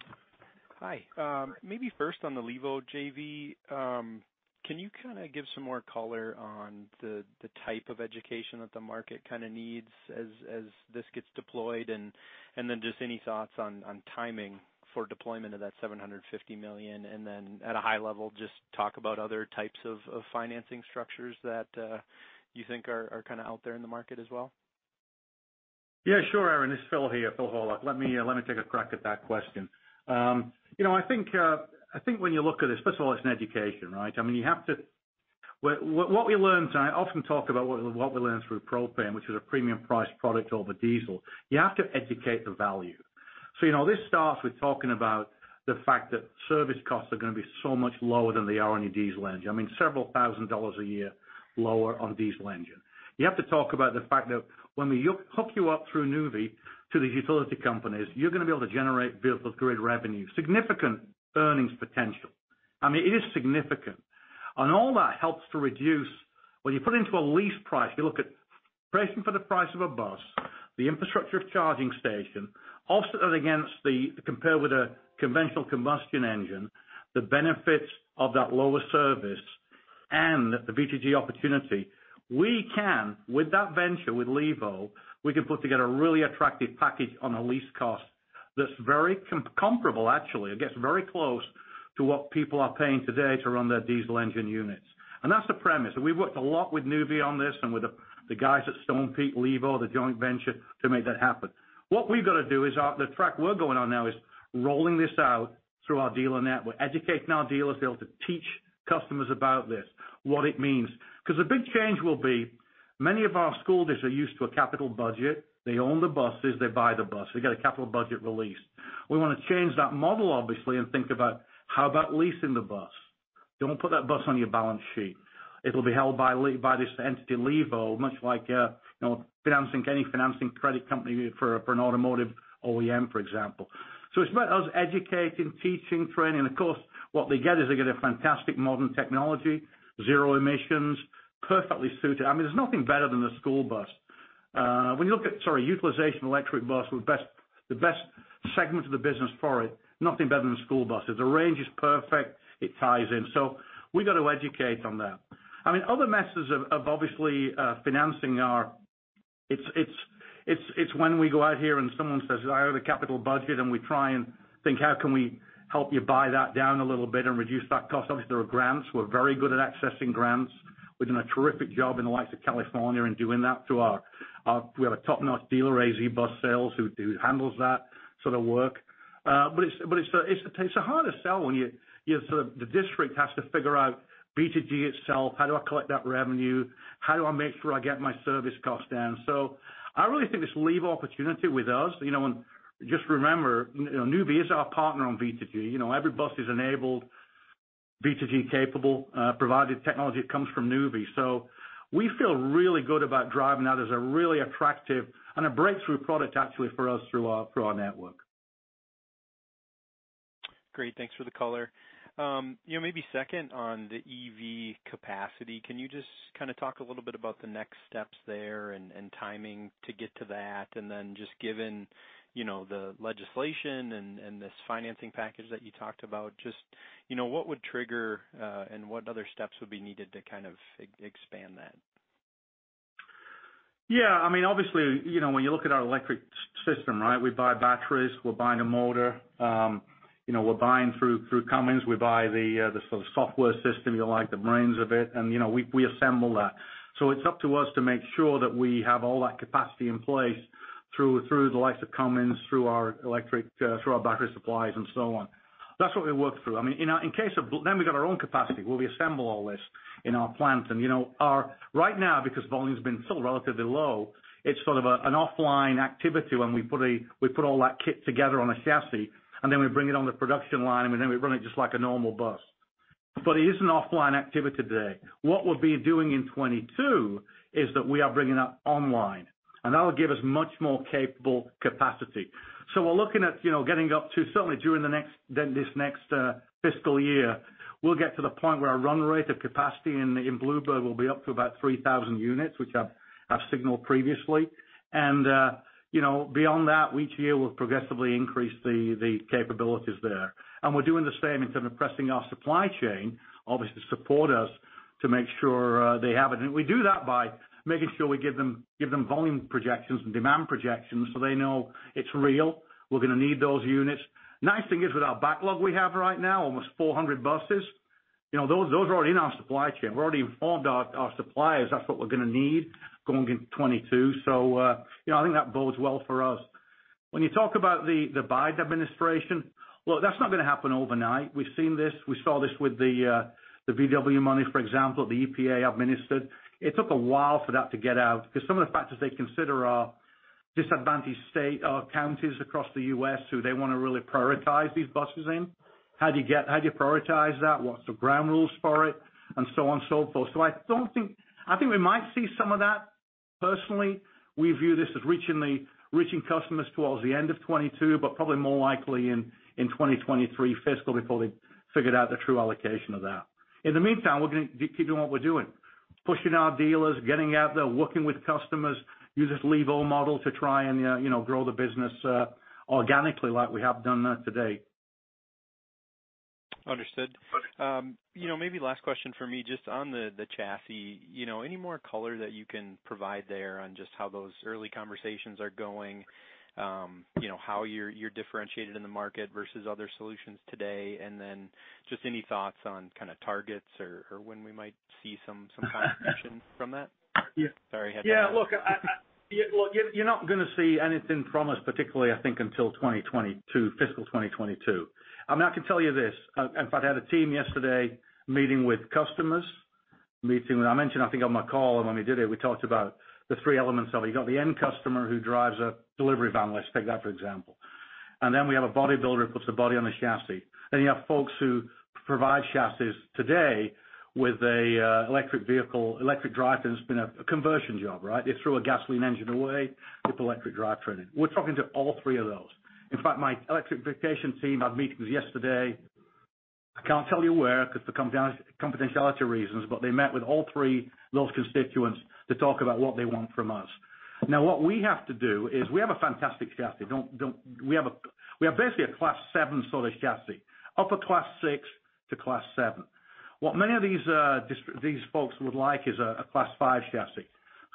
Hi, maybe first on the Levo JV, can you give some more color on the type of education that the market needs as this gets deployed? Just any thoughts on timing for deployment of that $750 million? At a high level, just talk about other types of financing structures that you think are out there in the market as well. Yeah, sure, Aaron. It's Phil here, Phil Horlock. Let me take a crack at that question. I think when you look at this, first of all, it's an education, right? What we learned, and I often talk about what we learned through propane, which is a premium priced product over diesel. You have to educate the value. This starts with talking about the fact that service costs are going to be so much lower than they are on your diesel engine. I mean, several thousand dollars a year lower on a diesel engine. You have to talk about the fact that when we hook you up through Nuvve to the utility companies, you're going to be able to generate vehicle grid revenue, significant earnings potential. I mean, it is significant. All that helps to reduce. When you put into a lease price, you look at pricing for the price of a bus, the infrastructure of charging station, offset that against the compare with a conventional combustion engine, the benefits of that lower service and the V2G opportunity. We can, with that venture with Levo, we can put together a really attractive package on a lease cost that's very comparable, actually. It gets very close to what people are paying today to run their diesel engine units. That's the premise. We've worked a lot with Nuvve on this and with the guys at Stonepeak Levo, the joint venture to make that happen. What we've got to do is the track we're going on now is rolling this out through our dealer network, educating our dealers to be able to teach customers about this, what it means. The big change will be many of our school districts are used to a capital budget. They own the buses, they buy the bus, they get a capital budget release. We want to change that model, obviously, and think about how about leasing the bus. Don't put that bus on your balance sheet. It'll be held by this entity, Levo, much like financing, any financing credit company for an automotive OEM, for example. It's about us educating, teaching, training. Of course, what they get is they get a fantastic modern technology, zero emissions, perfectly suited. There's nothing better than the school bus. When you look at, sorry, utilization electric bus, the best segment of the business for it, nothing better than school buses. The range is perfect. It ties in, we got to educate on that. Other methods of obviously financing are, it's when we go out here and someone says, "I have the capital budget", and we try and think, how can we help you buy that down a little bit and reduce that cost? There are grants. We're very good at accessing grants. We've done a terrific job in the likes of California in doing that through our top-notch dealer, Canyon State Bus Sales, who handles that sort of work. It's hard to sell when the district has to figure out V2G itself. How do I collect that revenue? How do I make sure I get my service costs down? I really think this Levo Mobility opportunity with us, and just remember, Nuvve is our partner on V2G. Every bus is enabled V2G capable, provided technology comes from Nuvve. We feel really good about driving that as a really attractive and a breakthrough product, actually, for us through our network. Great, thanks for the color. Maybe second on the EV capacity, can you just talk a little bit about the next steps there and timing to get to that? Just given the legislation and this financing package that you talked about, just what would trigger and what other steps would be needed to expand that? Yeah, obviously, when you look at our electric system, right? We buy batteries, we are buying a motor. We are buying through Cummins. We buy the software system, you like the brains of it, and we assemble that. It is up to us to make sure that we have all that capacity in place through the likes of Cummins, through our electric, through our battery supplies and so on. That is what we work through. We got our own capacity where we assemble all this in our plants. Right now, because volume has been still relatively low, it is sort of an offline activity when we put all that kit together on a chassis, and then we bring it on the production line, and then we run it just like a normal bus. It is an offline activity today. What we'll be doing in 2022 is that we are bringing that online, and that will give us much more capable capacity. We're looking at getting up to certainly during this next fiscal year, we'll get to the point where our run rate of capacity in Blue Bird will be up to about 3,000 units, which I've signaled previously. Beyond that, each year we'll progressively increase the capabilities there. We're doing the same in terms of pressing our supply chain, obviously, to support us to make sure they have it. We do that by making sure we give them volume projections and demand projections, so they know it's real. We're going to need those units. Nice thing is, with our backlog we have right now, almost 400 buses. Those are already in our supply chain. We've already informed our suppliers that's what we're going to need going into 2022. I think that bodes well for us. When you talk about the Biden administration, look, that's not going to happen overnight. We've seen this. We saw this with the VW money, for example, the EPA administered. It took a while for that to get out because some of the factors they consider are disadvantaged state or counties across the U.S., who they want to really prioritize these buses in. How do you prioritize that? What's the ground rules for it? So on and so forth. I think we might see some of that personally. We view this as reaching customers towards the end of 2022, but probably more likely in 2023 fiscal before they figured out the true allocation of that. In the meantime, we're going to keep doing what we're doing. Pushing our dealers, getting out there, working with customers, use this leave-all model to try and grow the business organically like we have done to date. Understood, maybe last question from me, just on the chassis. Any more color that you can provide there on just how those early conversations are going? How you're differentiated in the market versus other solutions today, and then just any thoughts on targets or when we might see some contribution from that? Sorry. Yeah, look, you're not going to see anything from us particularly, I think until fiscal 2022. I can tell you this. In fact, I had a team yesterday meeting with customers. I mentioned, I think, on my call and when we did it, we talked about the three elements of it. You got the end customer who drives a delivery van, let's take that, for example. Then we have a body builder who puts a body on the chassis. You have folks who provide chassis today with an electric vehicle, electric drivetrain. It's been a conversion job. They threw a gasoline engine away, put the electric drivetrain in. We're talking to all three of those. In fact, my electrification team had meetings yesterday. I can't tell you where because of confidentiality reasons, but they met with all three those constituents to talk about what they want from us. What we have to do is we have a fantastic chassis. We have basically a Class 7 sort of chassis, upper Class 6 to Class 7. What many of these folks would like is a Class 5 chassis.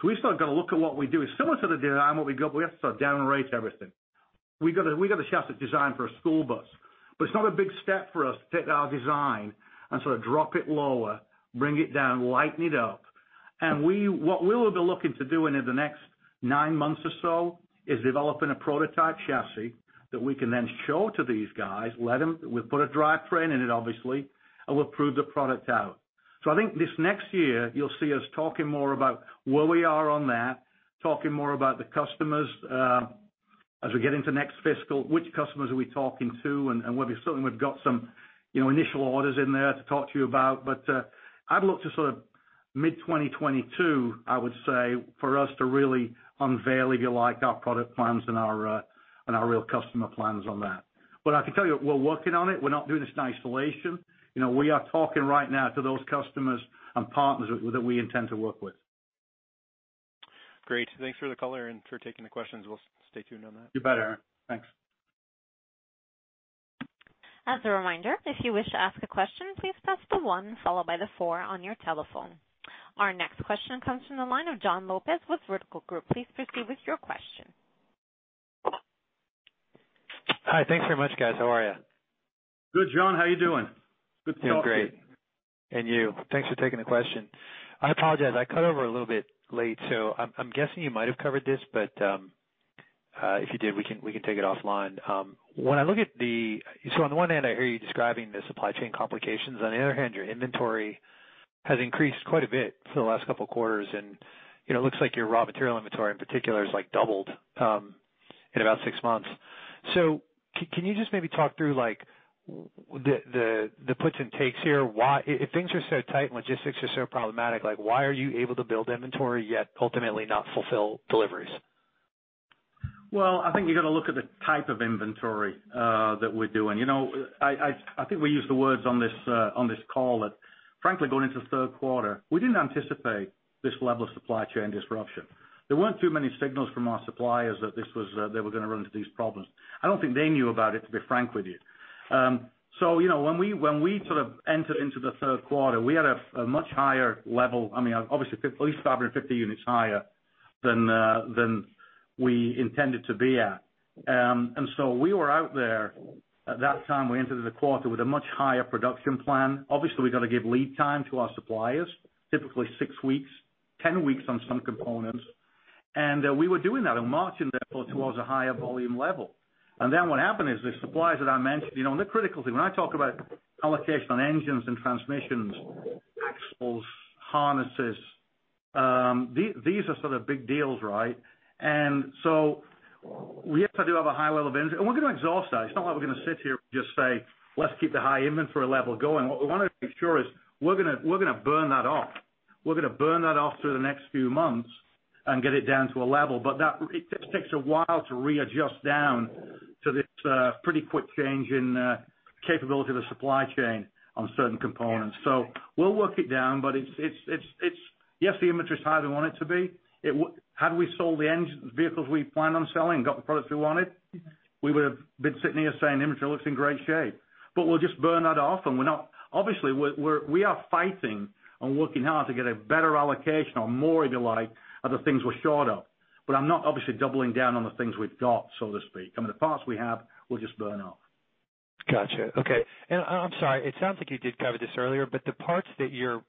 We've still got to look at what we do. It's similar to the dynamic we've got, but we have to sort of down rate everything. We've got a chassis designed for a school bus. It's not a big step for us to take our design and sort of drop it lower, bring it down, lighten it up. What we'll be looking to do in the next nine months or so is developing a prototype chassis that we can then show to these guys. We'll put a drivetrain in it, obviously, and we'll prove the product out. I think this next year, you'll see us talking more about where we are on that, talking more about the customers as we get into next fiscal, which customers are we talking to, and certainly we've got some initial orders in there to talk to you about. I'd look to mid-2022, I would say, for us to really unveil, if you like, our product plans and our real customer plans on that. I can tell you, we're working on it. We're not doing this in isolation. We are talking right now to those customers and partners that we intend to work with. Great, thanks for the color and for taking the questions. We'll stay tuned on that. You bet, Aaron, thanks. As a reminder, if you wish to ask a question, please press the one followed by the four on your telephone. Our next question comes from the line of John Lopez with Vertical Group. Please proceed with your question. Hi, thanks very much, guys, how are you? Good, John, how are you doing? Good to talk to you. Doing great, thank you. Thanks for taking the question. I apologize, I cut over a little bit late, so I'm guessing you might have covered this, but if you did, we can take it offline. On the one hand, I hear you describing the supply chain complications. On the other hand, your inventory has increased quite a bit for the last couple of quarters, and it looks like your raw material inventory in particular has doubled in about six months. Can you just maybe talk through the puts and takes here? If things are so tight and logistics are so problematic, why are you able to build inventory yet ultimately not fulfill deliveries? Well, I think you got to look at the type of inventory that we're doing. I think we used the words on this call that, frankly, going into the third quarter, we didn't anticipate this level of supply chain disruption. There weren't too many signals from our suppliers that they were going to run into these problems. I don't think they knew about it, to be frank with you. When we entered into the third quarter, we had a much higher level. Obviously at least 150 units higher than we intended to be at. We were out there at that time. We entered the quarter with a much higher production plan. Obviously, we got to give lead time to our suppliers, typically six weeks, 10 weeks on some components. We were doing that and marching, therefore, towards a higher volume level. Then what happened is the suppliers that I mentioned. The critical thing, when I talk about allocation on engines and transmissions, axles, harnesses, these are big deals. So, we actually do have a high level of inventory, and we're going to exhaust that. It's not like we're going to sit here and just say, "Let's keep the high inventory level going." What we want to make sure is we're going to burn that off. We're going to burn that off through the next few months and get it down to a level. It takes a while to readjust down to this pretty quick change in capability of the supply chain on certain components. We'll work it down, yes, the inventory is higher than we want it to be. Had we sold the vehicles we planned on selling and got the products we wanted, we would have been sitting here saying inventory looks in great shape. We'll just burn that off, obviously, we are fighting and working hard to get a better allocation or more, if you like, of the things we're short of. I'm not obviously doubling down on the things we've got, so to speak. The parts we have, we'll just burn off. Got you, okay. I'm sorry, it sounds like you did cover this earlier, but the parts that you're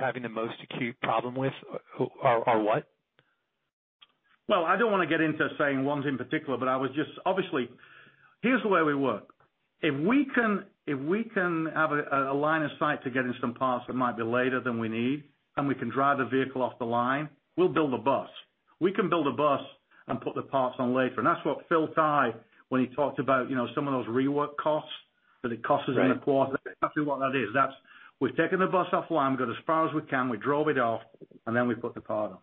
having the most acute problem with are what? Well, I don't want to get into saying ones in particular. Obviously, here's the way we work. If we can have a line of sight to getting some parts that might be later than we need and we can drive the vehicle off the line, we'll build a bus. We can build a bus and put the parts on later. That's what Phil Tighe, when he talked about some of those rework costs that it cost us in the quarter. That's exactly what that is. We've taken the bus off the line, we've got as far as we can, we drove it off, and then we put the part on.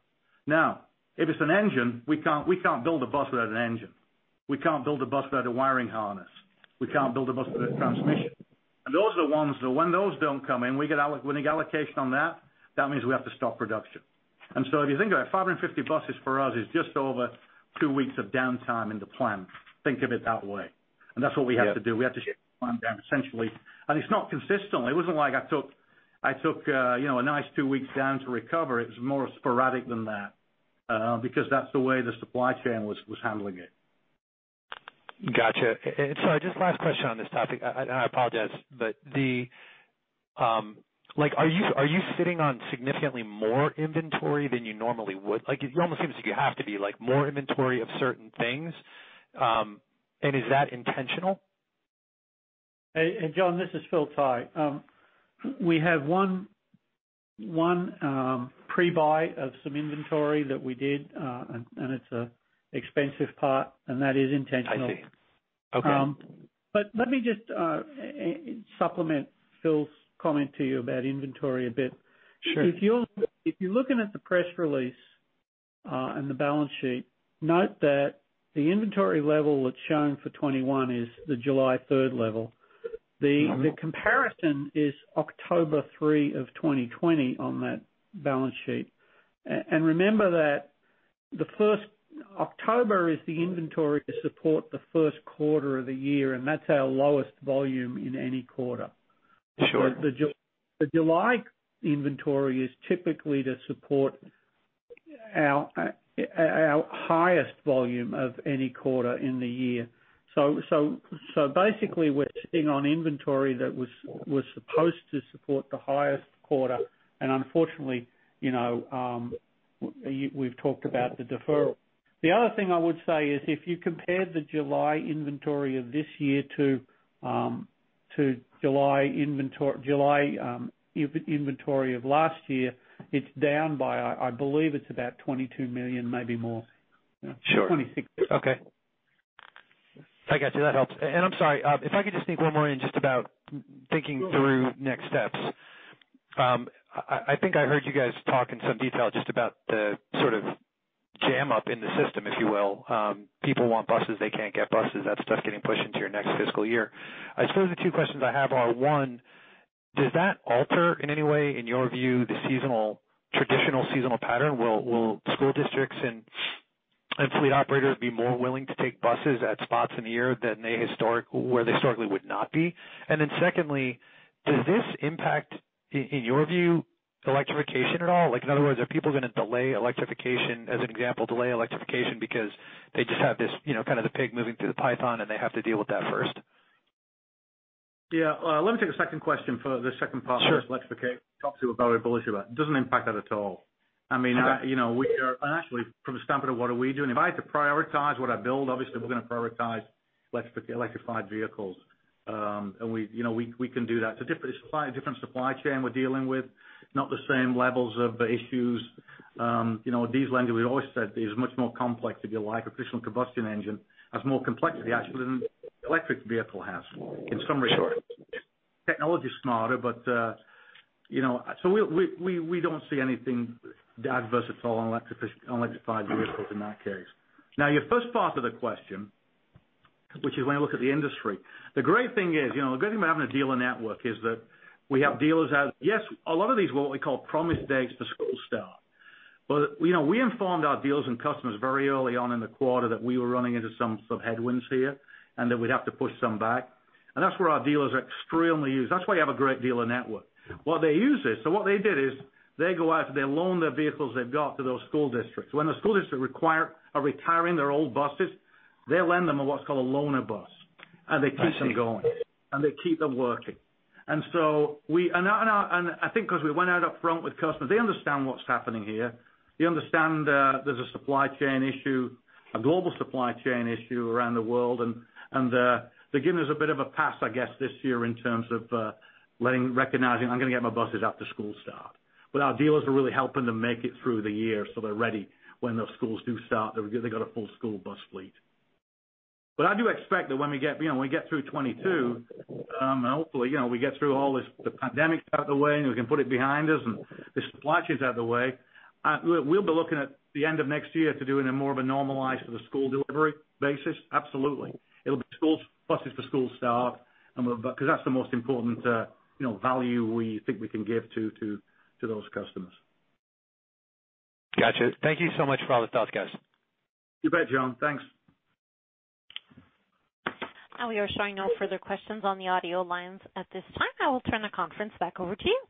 Now, if it's an engine, we can't build a bus without an engine. We can't build a bus without a wiring harness. We can't build a bus without a transmission. Those are the ones that when those don't come in, when we get allocation on that means we have to stop production. If you think about it, 550 buses for us is just over two weeks of downtime in the plant. Think of it that way, that's what we have to do. Yeah. We have to shut the plant down, essentially. It's not consistent, it wasn't like I took a nice two weeks down to recover. It was more sporadic than that, because that's the way the supply chain was handling it. Got you, sorry, just last question on this topic, and I apologize, but are you sitting on significantly more inventory than you normally would? You're almost saying that you have to be, like more inventory of certain things. Is that intentional? Hey, John, this is Phil Tighe. We have one pre-buy of some inventory that we did, and it's an expensive part, and that is intentional. I see, okay. Let me just supplement Phil's comment to you about inventory a bit. Sure. If you're looking at the press release, and the balance sheet, note that the inventory level that's shown for 2021 is the July third level. The comparison is October 3 of 2020 on that balance sheet. Remember that the first October is the inventory to support the first quarter of the year, and that's our lowest volume in any quarter. Sure. The July inventory is typically to support our highest volume of any quarter in the year. Basically, we're sitting on inventory that was supposed to support the highest quarter, unfortunately, we've talked about the deferral. The other thing I would say is, if you compared the July inventory of this year to July inventory of last year, it's down by, I believe it's about $22 million, maybe more. Sure. 26. Okay, I got you. That helps, I'm sorry. If I could just sneak one more in just about thinking through next steps. I think I heard you guys talk in some detail just about the sort of jam up in the system, if you will. People want buses, they can't get buses. That stuff's getting pushed into your next fiscal year. I suppose the two questions I have are, one, does that alter in any way, in your view, the traditional seasonal pattern? Will school districts and fleet operators be more willing to take buses at spots in the year where they historically would not be? Secondly, does this impact, in your view, electrification at all? In other words, are people going to delay electrification, as an example, delay electrification because they just have this kind of the pig moving through the python and they have to deal with that first? Yeah, let me take the second question for the second part- Sure.... electrification. Talk to about Blue Bird, it doesn't impact that at all. Okay. Actually, from the standpoint of what are we doing, if I had to prioritize what I build, obviously we're going to prioritize electrified vehicles. We can do that, it's a different supply chain we're dealing with, not the same levels of issues. At diesel engine, we've always said these are much more complex, if you like. A traditional combustion engine has more complexity actually than the electric vehicle has in some regards. Technology is smarter, but we don't see anything adverse at all on electrified vehicles in that case. Your first part of the question, which is when I look at the industry, the great thing is, the good thing about having a dealer network is that we have dealers out. Yes, a lot of these are what we call promise dates for school start. We informed our dealers and customers very early on in the quarter that we were running into some headwinds here, and that we'd have to push some back. That's where our dealers are extremely used. That's why we have a great dealer network. They use this, what they did is they go out, they loan their vehicles they've got to those school districts. When the school districts are retiring their old buses, they lend them what's called a loaner bus, and they keep them going, and they keep them working. I think because we went out upfront with customers, they understand what's happening here. They understand there's a supply chain issue, a global supply chain issue around the world, and they're giving us a bit of a pass, I guess this year in terms of recognizing I'm going to get my buses after school start. Our dealers are really helping them make it through the year, so they're ready when those schools do start, they've got a full school bus fleet. I do expect that when we get through 2022, and hopefully, we get through all this, the pandemic's out of the way, and we can put it behind us, and the supply chain's out of the way, we'll be looking at the end of next year to doing a more of a normalized for the school delivery basis, absolutely. It'll be buses for school start, because that's the most important value we think we can give to those customers. Got you, thank you so much for all the thoughts, guys. You bet, John, thanks. Now we are showing no further questions on the audio lines at this time. I will turn the conference back over to you.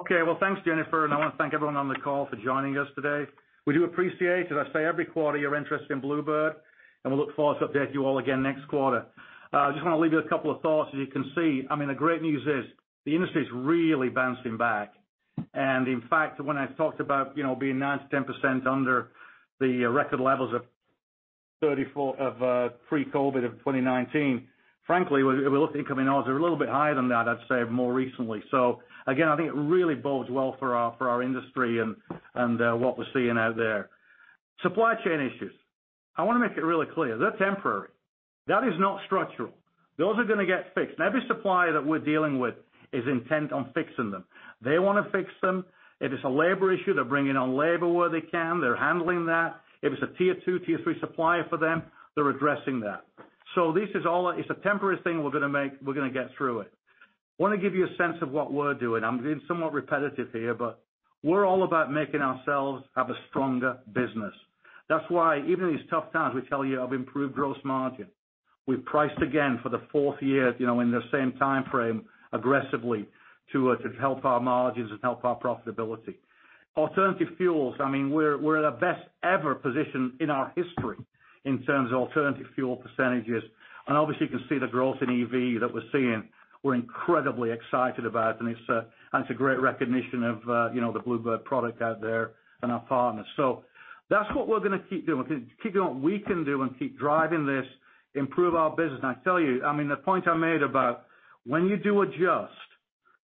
Okay, well, thanks, Jennifer, I want to thank everyone on the call for joining us today. We do appreciate, as I say every quarter, your interest in Blue Bird, we look forward to update you all again next quarter. I just want to leave you with a couple of thoughts. As you can see, the great news is the industry's really bouncing back. In fact, when I talked about being 9%-10% under the record levels of pre-COVID of 2019, frankly, we're looking at coming out a little bit higher than that, I'd say, more recently. Again, I think it really bodes well for our industry and what we're seeing out there. Supply chain issues, I want to make it really clear, they're temporary. That is not structural, those are going to get fixed. Every supplier that we're dealing with is intent on fixing them. They want to fix them. If it's a labor issue, they're bringing on labor where they can. They're handling that. If it's a Tier 2, Tier 3 supplier for them, they're addressing that. This is a temporary thing we're going to get through it. We want to give you a sense of what we're doing. I'm being somewhat repetitive here. We're all about making ourselves have a stronger business. That's why even in these tough times; we tell you of improved gross margin. We've priced again for the fourth year, in the same timeframe, aggressively to help our margins and help our profitability. Alternative fuels, we're at our best ever position in our history in terms of alternative fuel percentages. Obviously, you can see the growth in EV that we're seeing. We're incredibly excited about it, and it's a great recognition of the Blue Bird product out there and our partners. That's what we're going to keep doing. Keep doing what we can do and keep driving this, improve our business. I tell you, the point I made about when you do adjust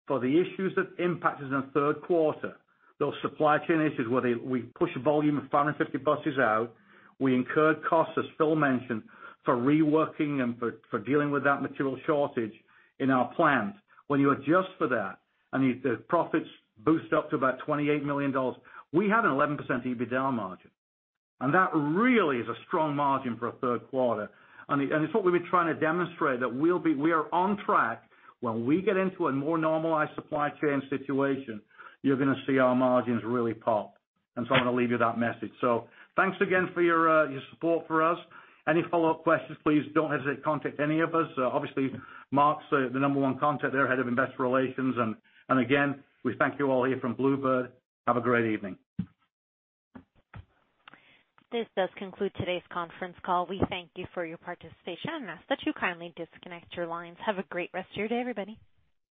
for the issues that impacted us in the third quarter, those supply chain issues where we pushed a volume of 550 buses out. We incurred costs, as Phil mentioned, for reworking and for dealing with that material shortage in our plants. When you adjust for that and the profits boost up to about $28 million, we had an 11% EBITDA margin, and that really is a strong margin for a third quarter. It's what we've been trying to demonstrate that we are on track. When we get into a more normalized supply chain situation, you're going to see our margins really pop. I'm going to leave you that message. Thanks again for your support for us. Any follow-up questions, please don't hesitate to contact any of us. Obviously, Mark's the number one contact there, Head of Investor Relations. Again, we thank you all here from Blue Bird. Have a great evening. This does conclude today's conference call. We thank you for your participation and ask that you kindly disconnect your lines. Have a great rest of your day, everybody.